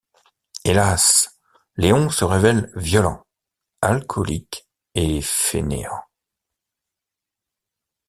Hélas, Léon se révèle violent, alcoolique et fainéant.